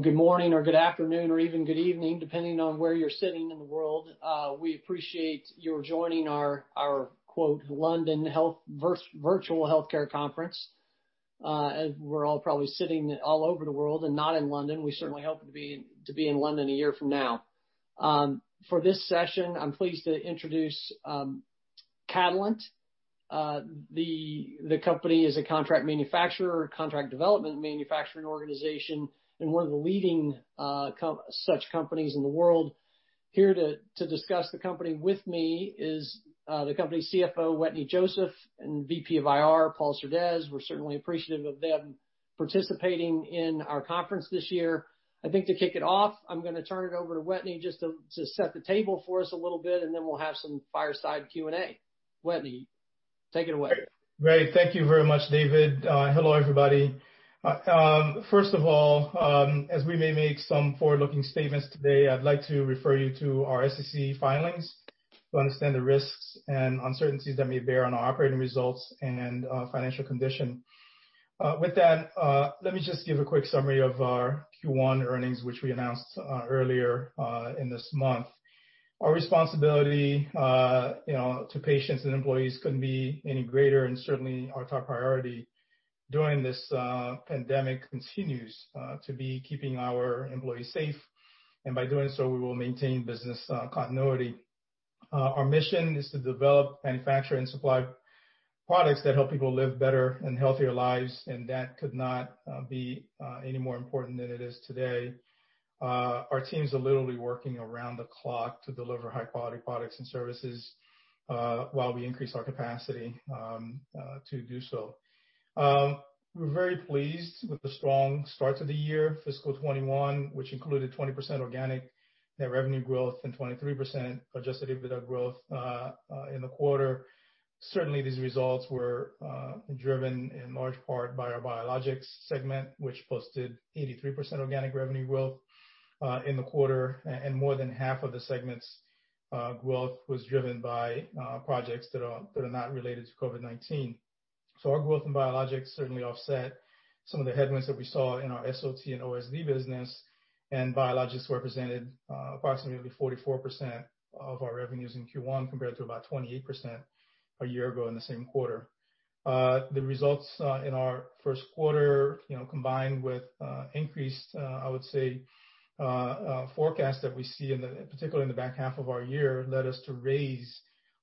Good morning, or good afternoon, or even good evening, depending on where you're sitting in the world. We appreciate your joining our "London Virtual Healthcare Conference." We're all probably sitting all over the world and not in London. We certainly hope to be in London a year from now. For this session, I'm pleased to introduce Catalent. The company is a contract manufacturer, contract development manufacturing organization, and one of the leading such companies in the world. Here to discuss the company with me is the company's CFO, Wetteny Joseph, and VP of IR, Paul Surdez. We're certainly appreciative of them participating in our conference this year. I think to kick it off, I'm going to turn it over to Wetteny just to set the table for us a little bit, and then we'll have some fireside Q&A. Wetteny, take it away. Great. Thank you very much, David. Hello, everybody. First of all, as we may make some forward-looking statements today, I'd like to refer you to our SEC filings to understand the risks and uncertainties that may bear on our operating results and financial condition. With that, let me just give a quick summary of our Q1 earnings, which we announced earlier in this month. Our responsibility to patients and employees couldn't be any greater, and certainly our top priority during this pandemic continues to be keeping our employees safe. And by doing so, we will maintain business continuity. Our mission is to develop, manufacture, and supply products that help people live better and healthier lives, and that could not be any more important than it is today. Our teams are literally working around the clock to deliver high-quality products and services while we increase our capacity to do so. We're very pleased with the strong start to the year, Fiscal 2021, which included 20% organic net revenue growth and 23% Adjusted EBITDA growth in the quarter. Certainly, these results were driven in large part by our Biologics segment, which posted 83% organic revenue growth in the quarter, and more than half of the segment's growth was driven by projects that are not related to COVID-19. So our growth in biologics certainly offset some of the headwinds that we saw in our SOT and OSD business, and biologics represented approximately 44% of our revenues in Q1 compared to about 28% a year ago in the same quarter. The results in our first quarter, combined with increased, I would say, forecasts that we see, particularly in the back half of our year, led us to raise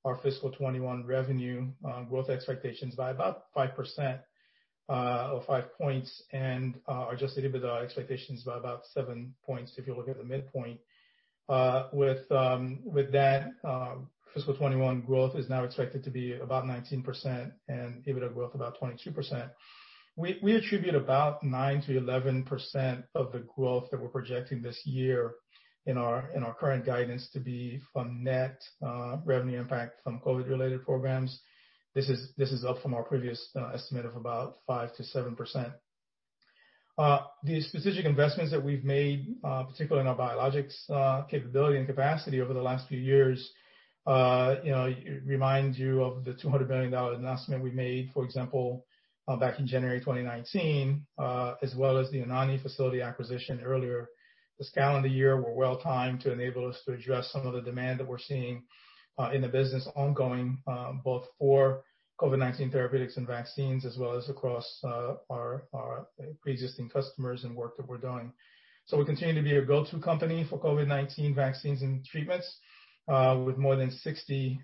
our Fiscal 2021 revenue growth expectations by about 5% or 5 points and our Adjusted EBITDA expectations by about 7 points if you look at the midpoint. With that, Fiscal 2021 growth is now expected to be about 19% and EBITDA growth about 22%. We attribute about 9%-11% of the growth that we're projecting this year in our current guidance to be from net revenue impact from COVID-related programs. This is up from our previous estimate of about 5%-7%. The specific investments that we've made, particularly in our biologics capability and capacity over the last few years, remind you of the $200 million announcement we made, for example, back in January 2019, as well as the Anagni facility acquisition earlier. This calendar year was well-timed to enable us to address some of the demand that we're seeing in the business ongoing, both for COVID-19 therapeutics and vaccines as well as across our pre-existing customers and work that we're doing, so we continue to be a go-to company for COVID-19 vaccines and treatments with more than 60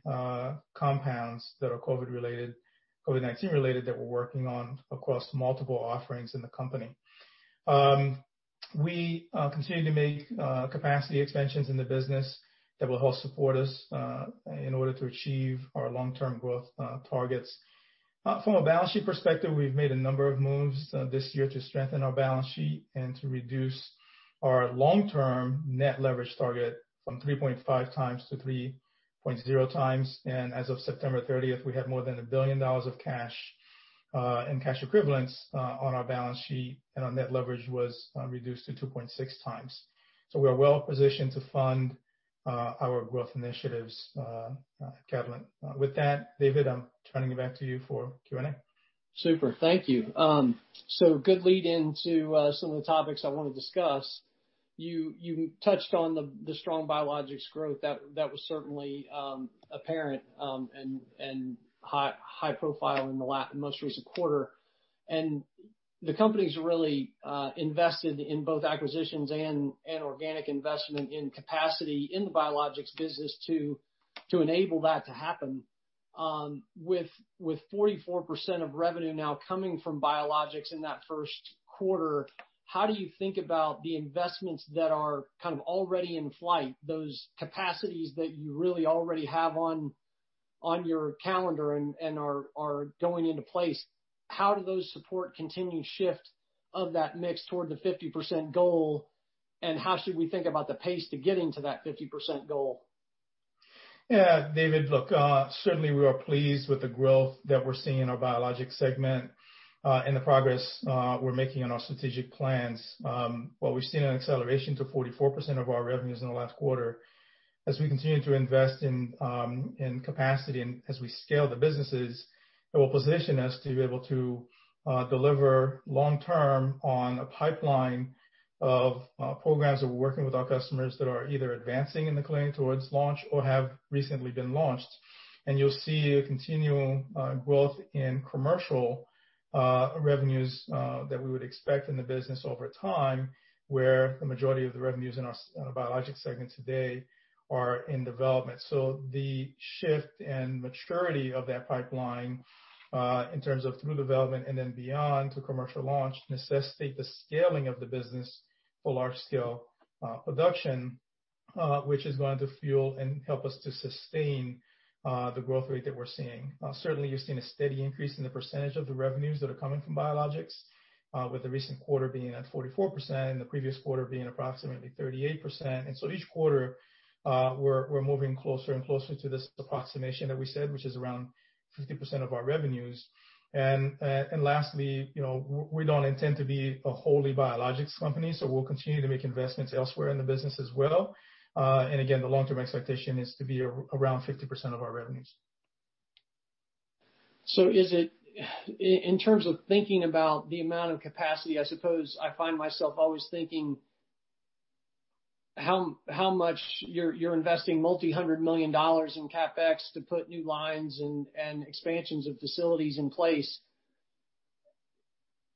compounds that are COVID-related, COVID-19-related, that we're working on across multiple offerings in the company. We continue to make capacity expansions in the business that will help support us in order to achieve our long-term growth targets. From a balance sheet perspective, we've made a number of moves this year to strengthen our balance sheet and to reduce our long-term net leverage target from 3.5 times to 3.0 times. And as of September 30th, we had more than $1 billion of cash and cash equivalents on our balance sheet, and our net leverage was reduced to 2.6x. So we are well-positioned to fund our growth initiatives at Catalent. With that, David, I'm turning it back to you for Q&A. Super. Thank you. So good lead into some of the topics I want to discuss. You touched on the strong biologics growth. That was certainly apparent and high profile in the most recent quarter, and the company's really invested in both acquisitions and organic investment in capacity in the Biologics business to enable that to happen. With 44% of revenue now coming from biologics in that first quarter, how do you think about the investments that are kind of already in flight, those capacities that you really already have on your calendar and are going into place? How do those support continued shift of that mix toward the 50% goal, and how should we think about the pace to getting to that 50% goal? Yeah, David, look, certainly we are pleased with the growth that we're seeing in our Biologics segment and the progress we're making on our strategic plans. What we've seen is an acceleration to 44% of our revenues in the last quarter. As we continue to invest in capacity and as we scale the businesses, it will position us to be able to deliver long-term on a pipeline of programs that we're working with our customers that are either advancing in the clinic towards launch or have recently been launched, and you'll see a continual growth in commercial revenues that we would expect in the business over time, where the majority of the revenues in our Biologics segment today are in development. The shift and maturity of that pipeline in terms of through development and then beyond to commercial launch necessitates the scaling of the business for large-scale production, which is going to fuel and help us to sustain the growth rate that we're seeing. Certainly, you've seen a steady increase in the percentage of the revenues that are coming from biologics, with the recent quarter being at 44% and the previous quarter being approximately 38%. Each quarter, we're moving closer and closer to this approximation that we said, which is around 50% of our revenues. Lastly, we don't intend to be a wholly biologics company, so we'll continue to make investments elsewhere in the business as well. Again, the long-term expectation is to be around 50% of our revenues. So in terms of thinking about the amount of capacity, I suppose I find myself always thinking how much you're investing multi-hundred million dollars in CapEx to put new lines and expansions of facilities in place.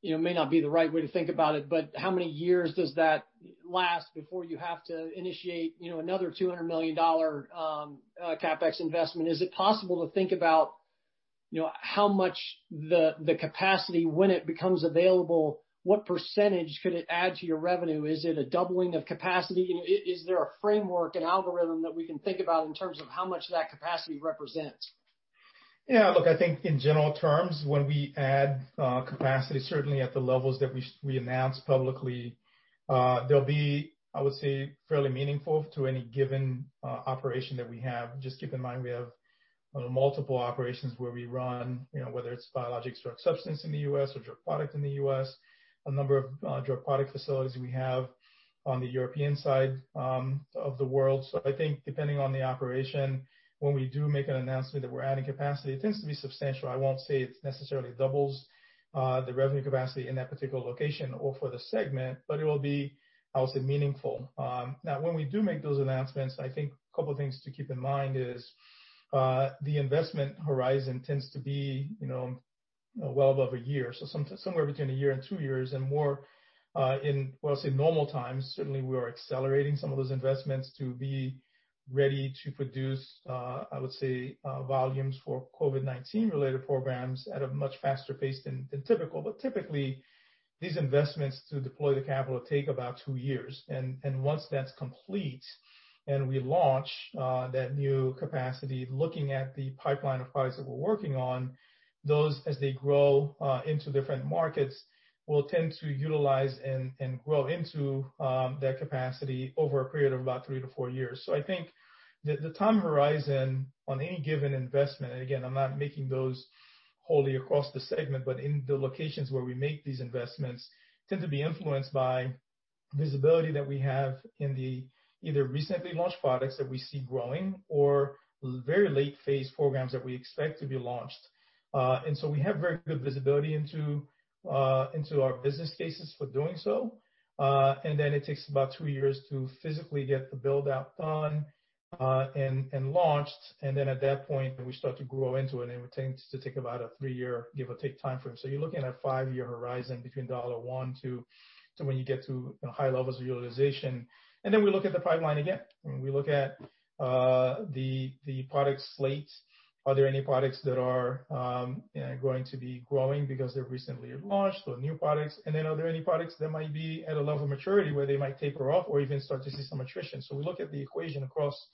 It may not be the right way to think about it, but how many years does that last before you have to initiate another $200 million CapEx investment? Is it possible to think about how much the capacity, when it becomes available, what percentage could it add to your revenue? Is it a doubling of capacity? Is there a framework, an algorithm that we can think about in terms of how much that capacity represents? Yeah. Look, I think in general terms, when we add capacity, certainly at the levels that we announce publicly, there'll be, I would say, fairly meaningful to any given operation that we have. Just keep in mind we have multiple operations where we run, whether it's biologics drug substance in the U.S. or drug product in the U.S., a number of drug product facilities we have on the European side of the world. So I think depending on the operation, when we do make an announcement that we're adding capacity, it tends to be substantial. I won't say it's necessarily doubles the revenue capacity in that particular location or for the segment, but it will be, I would say, meaningful. Now, when we do make those announcements, I think a couple of things to keep in mind is the investment horizon tends to be well above a year, so somewhere between a year and two years, and more in, I would say, normal times, certainly we are accelerating some of those investments to be ready to produce, I would say, volumes for COVID-19-related programs at a much faster pace than typical, but typically, these investments to deploy the capital take about two years, and once that's complete and we launch that new capacity, looking at the pipeline of products that we're working on, those, as they grow into different markets, will tend to utilize and grow into that capacity over a period of about three to four years. So I think the time horizon on any given investment, and again, I'm not making those wholly across the segment, but in the locations where we make these investments, tend to be influenced by visibility that we have into either recently launched products that we see growing or very late-phase programs that we expect to be launched. And so we have very good visibility into our business cases for doing so. And then it takes about two years to physically get the build-out done and launched. And then at that point, we start to grow into it, and it tends to take about a three-year, give or take, time frame. So you're looking at a five-year horizon between dollar one to when you get to high levels of utilization. And then we look at the pipeline again. We look at the product slate. Are there any products that are going to be growing because they're recently launched or new products, and then are there any products that might be at a level of maturity where they might taper off or even start to see some attrition, so we look at the equation across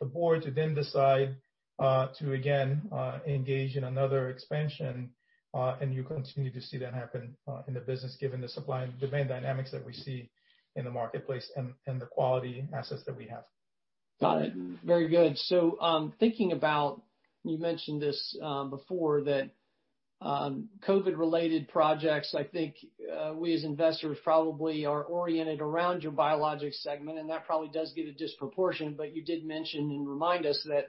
the board to then decide to, again, engage in another expansion, and you continue to see that happen in the business given the supply and demand dynamics that we see in the marketplace and the quality assets that we have. Got it. Very good. So thinking about, you mentioned this before, that COVID-related projects, I think we as investors probably are oriented around your Biologics segment, and that probably does get a disproportion, but you did mention and remind us that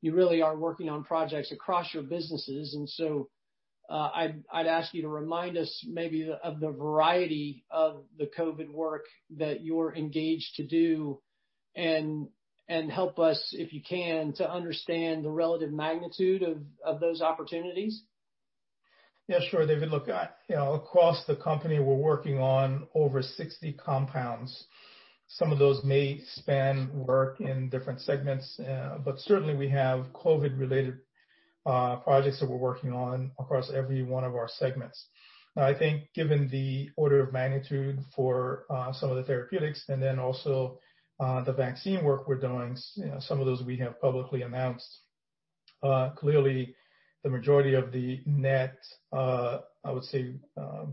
you really are working on projects across your businesses. And so I'd ask you to remind us maybe of the variety of the COVID work that you're engaged to do and help us, if you can, to understand the relative magnitude of those opportunities. Yeah, sure, David. Look, across the company, we're working on over 60 compounds. Some of those may span work in different segments, but certainly we have COVID-related projects that we're working on across every one of our segments. Now, I think given the order of magnitude for some of the therapeutics and then also the vaccine work we're doing, some of those we have publicly announced. Clearly, the majority of the net, I would say,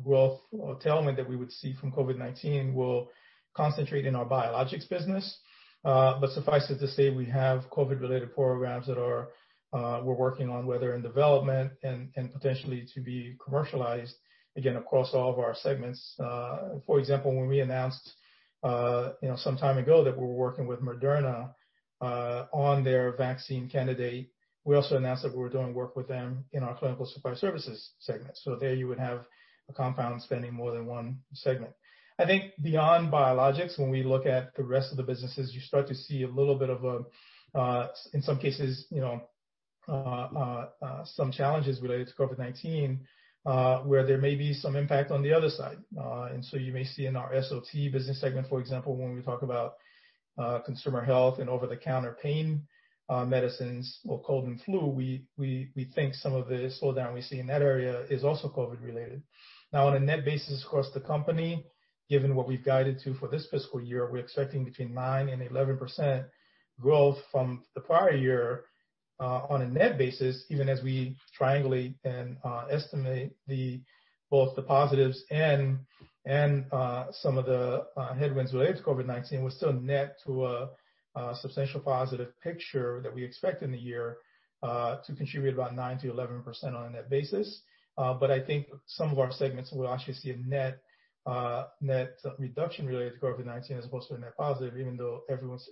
growth or tailwind that we would see from COVID-19 will concentrate in our Biologics business. But suffice it to say, we have COVID-related programs that we're working on, whether in development and potentially to be commercialized, again, across all of our segments. For example, when we announced some time ago that we were working with Moderna on their vaccine candidate, we also announced that we were doing work with them in our Clinical Supply Services segment. So there you would have a customer spending more than one segment. I think beyond biologics, when we look at the rest of the businesses, you start to see a little bit of, in some cases, some challenges related to COVID-19 where there may be some impact on the other side. And so you may see in our SOT business segment, for example, when we talk about consumer health and over-the-counter pain medicines or cold and flu, we think some of the slowdown we see in that area is also COVID-related. Now, on a net basis across the company, given what we've guided to for this Fiscal Year, we're expecting between 9% and 11% growth from the prior year on a net basis, even as we triangulate and estimate both the positives and some of the headwinds related to COVID-19. We're still net to a substantial positive picture that we expect in the year to contribute about 9%-11% on a net basis. But I think some of our segments will actually see a net reduction related to COVID-19 as opposed to a net positive, even though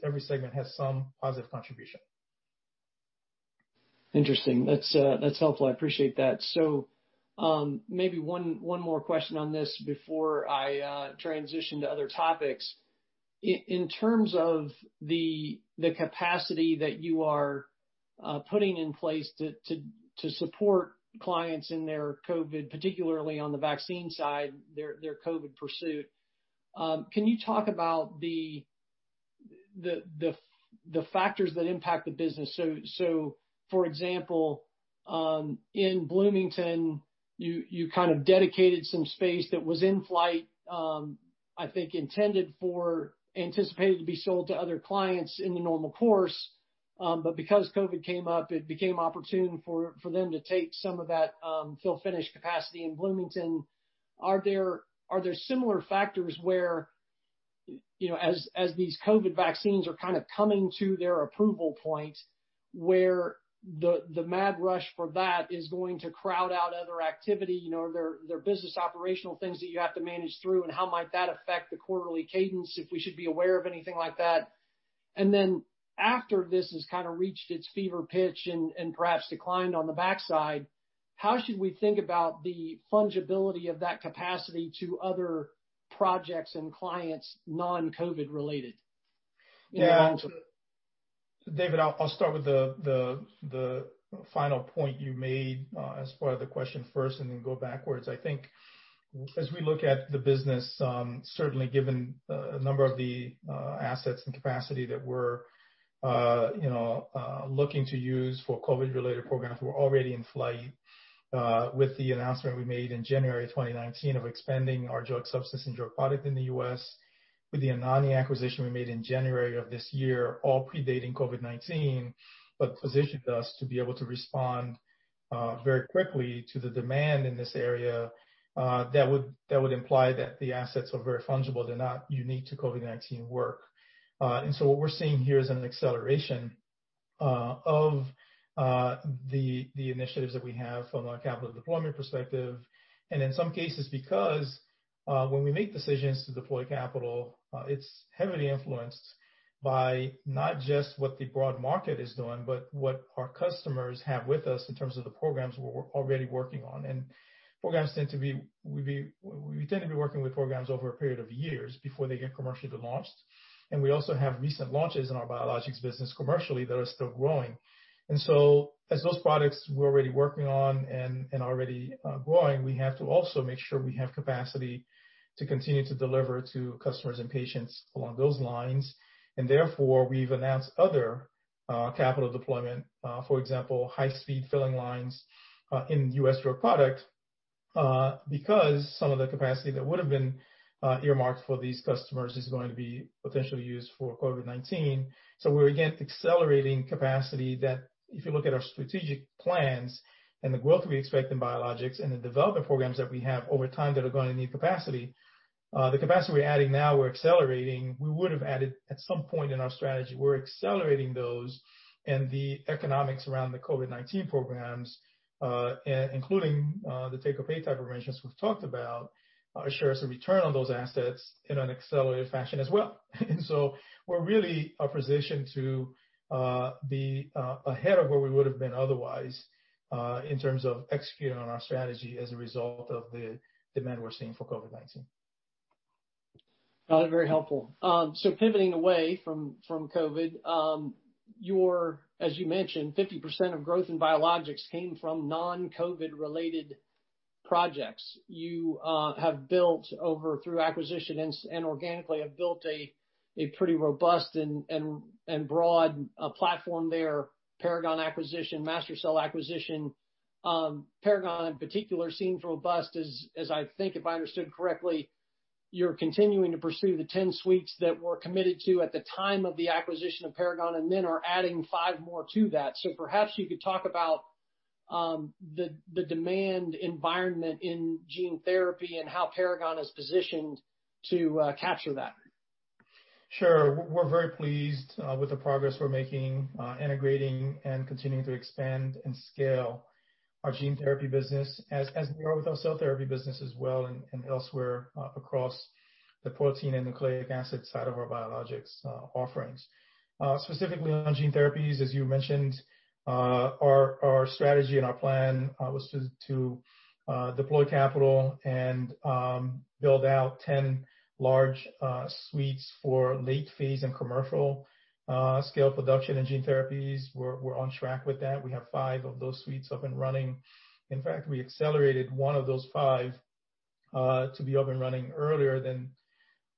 every segment has some positive contribution. Interesting. That's helpful. I appreciate that. So maybe one more question on this before I transition to other topics. In terms of the capacity that you are putting in place to support clients in their COVID, particularly on the vaccine side, their COVID pursuit, can you talk about the factors that impact the business? So, for example, in Bloomington, you kind of dedicated some space that was in flight, I think intended for, anticipated to be sold to other clients in the normal course. But because COVID came up, it became opportune for them to take some of that fill-finish capacity in Bloomington. Are there similar factors where, as these COVID vaccines are kind of coming to their approval point, where the mad rush for that is going to crowd out other activity, there are business operational things that you have to manage through, and how might that affect the quarterly cadence if we should be aware of anything like that? And then after this has kind of reached its fever pitch and perhaps declined on the backside, how should we think about the fungibility of that capacity to other projects and clients non-COVID related? Yeah. David, I'll start with the final point you made as part of the question first and then go backwards. I think as we look at the business, certainly given a number of the assets and capacity that we're looking to use for COVID-related programs that were already in flight with the announcement we made in January 2019 of expanding our drug substance and drug product in the U.S., with the Anagni acquisition we made in January of this year, all predating COVID-19, but positioned us to be able to respond very quickly to the demand in this area that would imply that the assets are very fungible. They're not unique to COVID-19 work. And so what we're seeing here is an acceleration of the initiatives that we have from a capital deployment perspective. And in some cases, because when we make decisions to deploy capital, it's heavily influenced by not just what the broad market is doing, but what our customers have with us in terms of the programs we're already working on. And programs tend to be. We tend to be working with programs over a period of years before they get commercially launched. And we also have recent launches in our Biologics business commercially that are still growing. And so as those products we're already working on and already growing, we have to also make sure we have capacity to continue to deliver to customers and patients along those lines. And therefore, we've announced other capital deployment, for example, high-speed filling lines in U.S. drug product because some of the capacity that would have been earmarked for these customers is going to be potentially used for COVID-19. So we're, again, accelerating capacity that if you look at our strategic plans and the growth we expect in biologics and the development programs that we have over time that are going to need capacity, the capacity we're adding now, we're accelerating. We would have added at some point in our strategy. We're accelerating those. And the economics around the COVID-19 programs, including the take-or-pay type of arrangements we've talked about, assures a return on those assets in an accelerated fashion as well. And so we're really positioned to be ahead of where we would have been otherwise in terms of executing on our strategy as a result of the demand we're seeing for COVID-19. Very helpful. So, pivoting away from COVID, as you mentioned, 50% of your growth in biologics came from non-COVID-related projects. You have built out through acquisition and organically have built a pretty robust and broad platform there, Paragon acquisition, MaSTherCell acquisition. Paragon in particular seems robust, as I think, if I understood correctly, you're continuing to pursue the 10 suites that were committed to at the time of the acquisition of Paragon and then are adding five more to that. So perhaps you could talk about the demand environment in gene therapy and how Paragon is positioned to capture that. Sure. We're very pleased with the progress we're making, integrating and continuing to expand and scale our gene therapy business as we are with our cell therapy business as well and elsewhere across the protein and nucleic acid side of our biologics offerings. Specifically on gene therapies, as you mentioned, our strategy and our plan was to deploy capital and build out 10 large suites for late-phase and commercial scale production and gene therapies. We're on track with that. We have five of those suites up and running. In fact, we accelerated one of those five to be up and running earlier than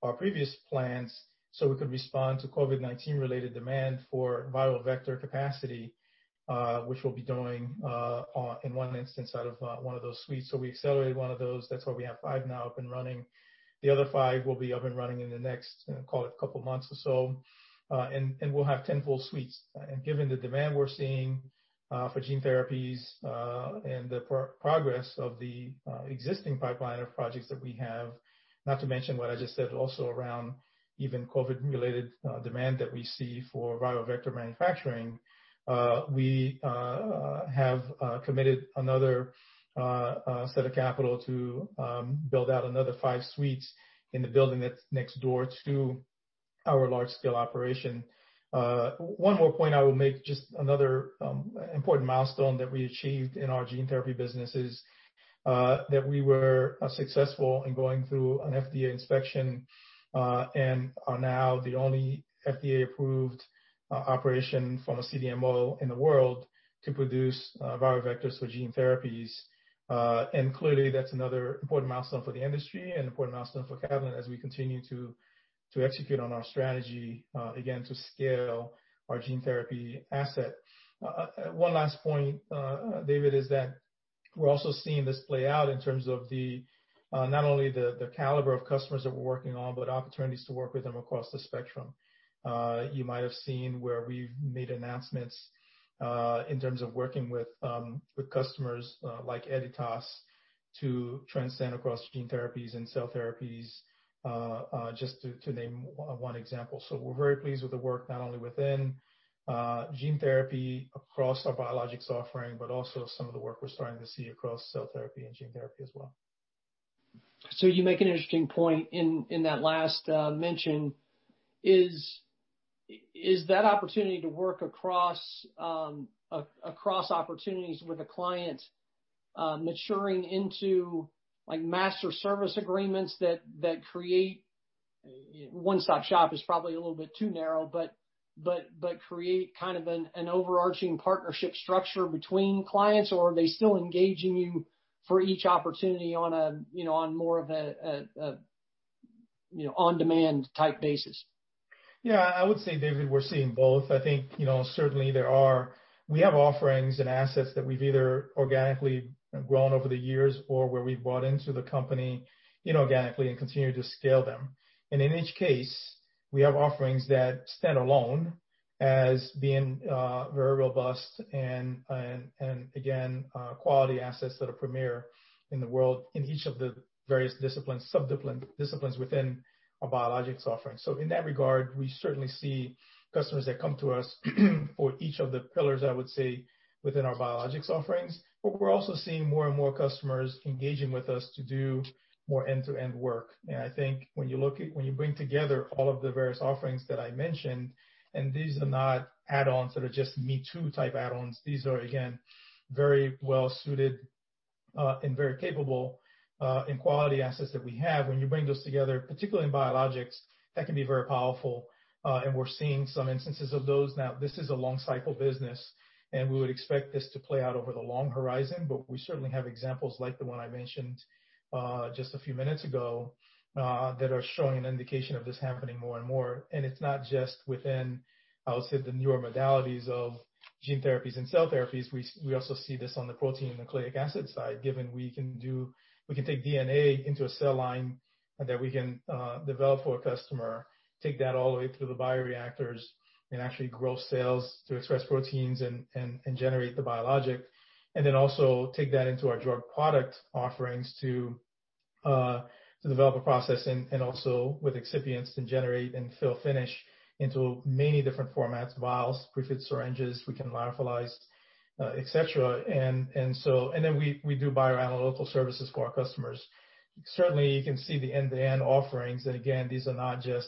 our previous plans so we could respond to COVID-19-related demand for viral vector capacity, which we'll be doing in one instance out of one of those suites. So we accelerated one of those. That's why we have five now up and running. The other five will be up and running in the next, call it, couple of months or so. And we'll have 10 full suites. And given the demand we're seeing for gene therapies and the progress of the existing pipeline of projects that we have, not to mention what I just said also around even COVID-related demand that we see for viral vector manufacturing, we have committed another set of capital to build out another five suites in the building that's next door to our large-scale operation. One more point I will make, just another important milestone that we achieved in our gene therapy business is that we were successful in going through an FDA inspection and are now the only FDA-approved operation from a CDMO in the world to produce viral vectors for gene therapies. Clearly, that's another important milestone for the industry and important milestone for Catalent as we continue to execute on our strategy, again, to scale our gene therapy asset. One last point, David, is that we're also seeing this play out in terms of not only the caliber of customers that we're working on, but opportunities to work with them across the spectrum. You might have seen where we've made announcements in terms of working with customers like Editas to transcend across gene therapies and cell therapies, just to name one example. We're very pleased with the work not only within gene therapy across our biologics offering, but also some of the work we're starting to see across cell therapy and gene therapy as well. So you make an interesting point in that last mention. Is that opportunity to work across opportunities with a client maturing into master service agreements that create one-stop shop is probably a little bit too narrow, but create kind of an overarching partnership structure between clients, or are they still engaging you for each opportunity on more of an on-demand type basis? Yeah. I would say, David, we're seeing both. I think certainly we have offerings and assets that we've either organically grown over the years or where we've brought into the company inorganically and continued to scale them. And in each case, we have offerings that stand alone as being very robust and, again, quality assets that are premier in the world in each of the various disciplines, subdisciplines within our biologics offering. So in that regard, we certainly see customers that come to us for each of the pillars, I would say, within our biologics offerings. But we're also seeing more and more customers engaging with us to do more end-to-end work. And I think when you bring together all of the various offerings that I mentioned, and these are not add-ons that are just me-too type add-ons. These are, again, very well-suited and very capable in quality assets that we have. When you bring those together, particularly in biologics, that can be very powerful, and we're seeing some instances of those. Now, this is a long-cycle business, and we would expect this to play out over the long horizon, but we certainly have examples like the one I mentioned just a few minutes ago that are showing an indication of this happening more and more, and it's not just within, I would say, the newer modalities of gene therapies and cell therapies. We also see this on the protein and nucleic acid side, given we can take DNA into a cell line that we can develop for a customer, take that all the way through the bioreactors and actually grow cells to express proteins and generate the biologic, and then also take that into our drug product offerings to develop a process and also with excipients to generate and fill-finish into many different formats, vials, prefilled syringes, we can lyophilize, etc., and then we do bioanalytical services for our customers. Certainly, you can see the end-to-end offerings, and again, these are not just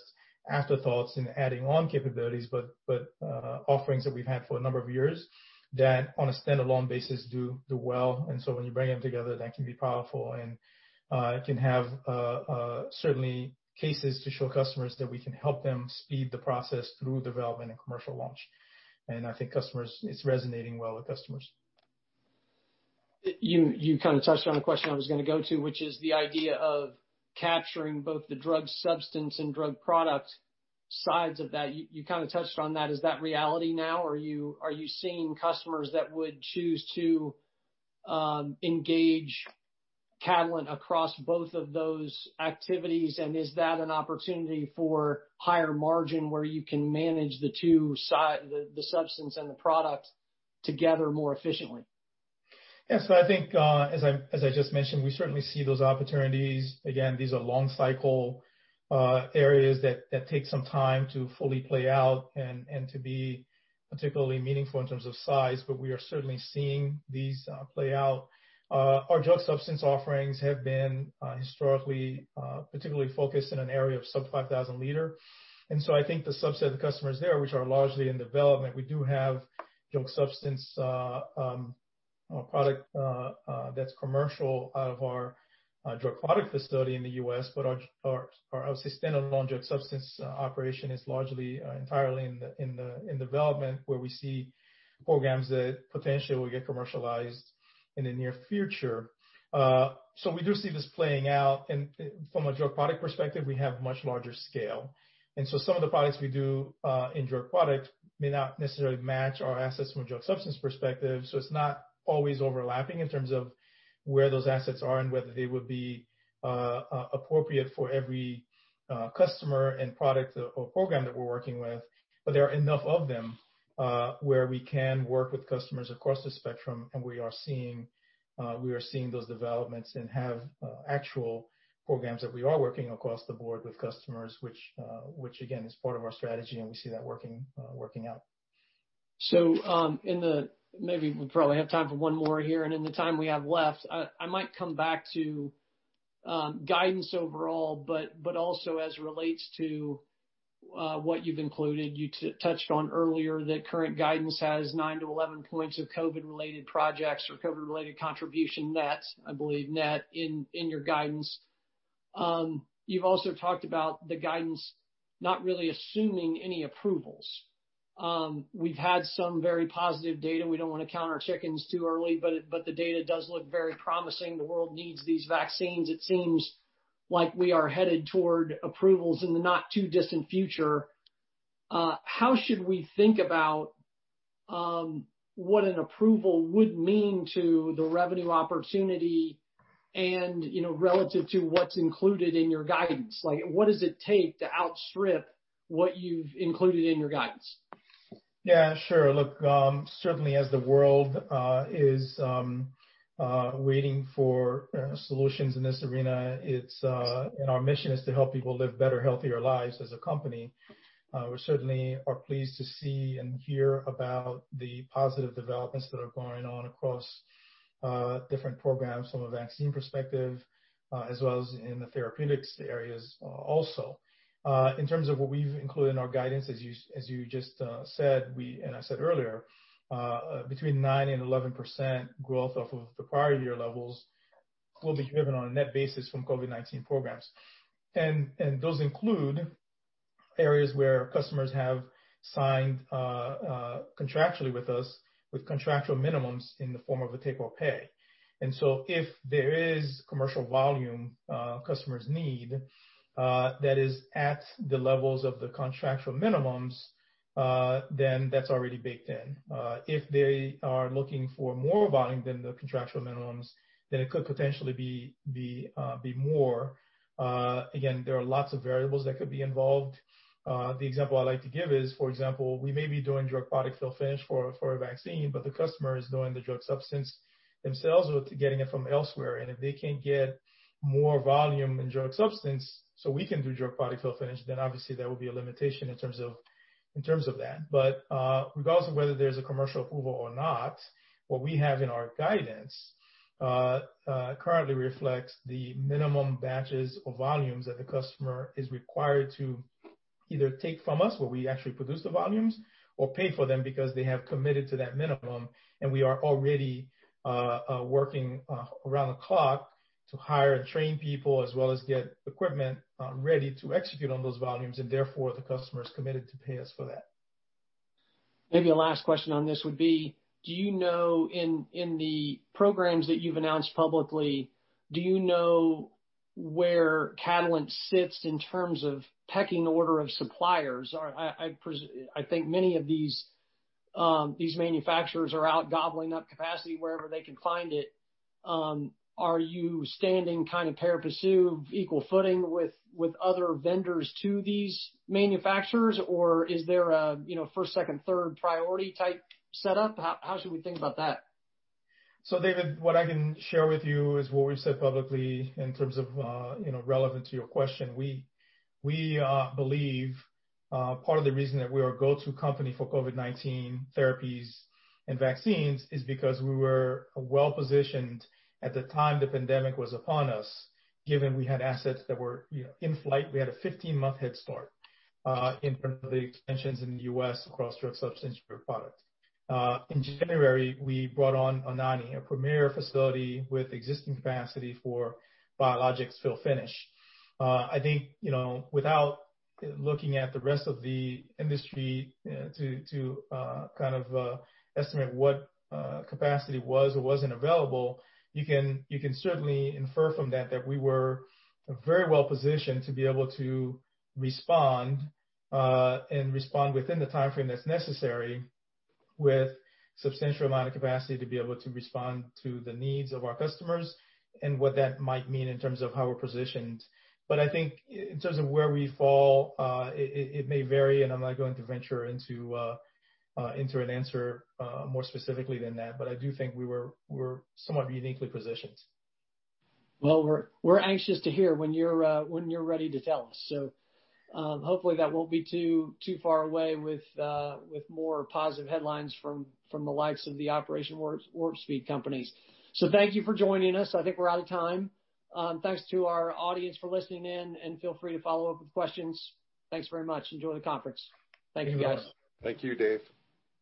afterthoughts and adding on capabilities, but offerings that we've had for a number of years that on a standalone basis do well. And so when you bring them together, that can be powerful and can have certain cases to show customers that we can help them speed the process through development and commercial launch. And I think it's resonating well with customers. You kind of touched on a question I was going to go to, which is the idea of capturing both the drug substance and drug product sides of that. You kind of touched on that. Is that reality now? Are you seeing customers that would choose to engage Catalent across both of those activities? And is that an opportunity for higher margin where you can manage the substance and the product together more efficiently? Yes. So I think, as I just mentioned, we certainly see those opportunities. Again, these are long-cycle areas that take some time to fully play out and to be particularly meaningful in terms of size, but we are certainly seeing these play out. Our drug substance offerings have been historically particularly focused in an area of sub-5,000 liter. And so I think the subset of customers there, which are largely in development, we do have drug substance product that's commercial out of our drug product facility in the U.S., but our standalone drug substance operation is entirely in development where we see programs that potentially will get commercialized in the near future. So we do see this playing out. And from a drug product perspective, we have much larger scale. And so some of the products we do in drug product may not necessarily match our assets from a drug substance perspective. So it's not always overlapping in terms of where those assets are and whether they would be appropriate for every customer and product or program that we're working with, but there are enough of them where we can work with customers across the spectrum. And we are seeing those developments and have actual programs that we are working across the board with customers, which, again, is part of our strategy, and we see that working out. Maybe we probably have time for one more here. In the time we have left, I might come back to guidance overall, but also as it relates to what you've included. You touched on earlier that current guidance has 9-11 points of COVID-related projects or COVID-related contribution nets, I believe, net in your guidance. You've also talked about the guidance not really assuming any approvals. We've had some very positive data. We don't want to count our chickens too early, but the data does look very promising. The world needs these vaccines. It seems like we are headed toward approvals in the not too distant future. How should we think about what an approval would mean to the revenue opportunity relative to what's included in your guidance? What does it take to outstrip what you've included in your guidance? Yeah, sure. Look, certainly as the world is waiting for solutions in this arena, and our mission is to help people live better, healthier lives as a company, we certainly are pleased to see and hear about the positive developments that are going on across different programs from a vaccine perspective as well as in the therapeutics areas also. In terms of what we've included in our guidance, as you just said, and I said earlier, between 9% and 11% growth off of the prior year levels will be driven on a net basis from COVID-19 programs. And those include areas where customers have signed contractually with us with contractual minimums in the form of a take-or-pay. And so if there is commercial volume customers need that is at the levels of the contractual minimums, then that's already baked in. If they are looking for more volume than the contractual minimums, then it could potentially be more. Again, there are lots of variables that could be involved. The example I like to give is, for example, we may be doing drug product fill-finish for a vaccine, but the customer is doing the drug substance themselves or getting it from elsewhere, and if they can't get more volume in drug substance so we can do drug product fill-finish, then obviously there will be a limitation in terms of that, but regardless of whether there's a commercial approval or not, what we have in our guidance currently reflects the minimum batches or volumes that the customer is required to either take from us where we actually produce the volumes or pay for them because they have committed to that minimum. And we are already working around the clock to hire and train people as well as get equipment ready to execute on those volumes. And therefore, the customer is committed to pay us for that. Maybe a last question on this would be, do you know in the programs that you've announced publicly, do you know where Catalent sits in terms of pecking order of suppliers? I think many of these manufacturers are out gobbling up capacity wherever they can find it. Are you standing kind of pari passu, equal footing with other vendors to these manufacturers, or is there a first, second, third priority type setup? How should we think about that? David, what I can share with you is what we've said publicly in terms of relevance to your question. We believe part of the reason that we are a go-to company for COVID-19 therapies and vaccines is because we were well-positioned at the time the pandemic was upon us, given we had assets that were in flight. We had a 15-month head start in terms of the extensions in the U.S. across drug substance drug product. In January, we brought on Anagni, a premier facility with existing capacity for biologics fill-finish. I think without looking at the rest of the industry to kind of estimate what capacity was or wasn't available, you can certainly infer from that that we were very well-positioned to be able to respond and respond within the timeframe that's necessary with substantial amount of capacity to be able to respond to the needs of our customers and what that might mean in terms of how we're positioned. But I think in terms of where we fall, it may vary, and I'm not going to venture into an answer more specifically than that, but I do think we were somewhat uniquely positioned. We're anxious to hear when you're ready to tell us. Hopefully that won't be too far away with more positive headlines from the likes of the Operation Warp Speed companies. Thank you for joining us. I think we're out of time. Thanks to our audience for listening in, and feel free to follow up with questions. Thanks very much. Enjoy the conference. Thank you, guys. Thank you, Dave.